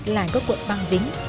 lại có cuộn băng dính